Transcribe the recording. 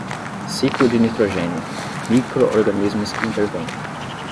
Ciclo de nitrogênio: microorganismos que intervêm.